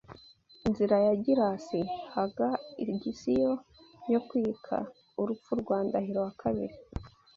Inzira ya Girasi: haga igisio yo kwika urupfu rwa Ndahiro II